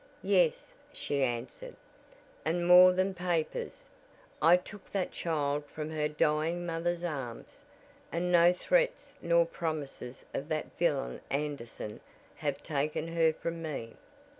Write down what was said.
"Yes," she answered, "and more than papers. I took that child from her dying mother's arms, and no threats nor promises of that villain Anderson have taken her from me.